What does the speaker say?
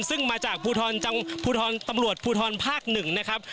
ซึ่งมาจากตำรวจภูทรภาคหนึ่งนะครับ